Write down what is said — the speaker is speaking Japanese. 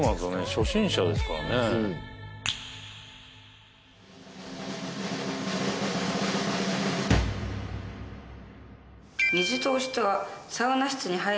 初心者ですからね「水通しとはサウナ室に入る前に」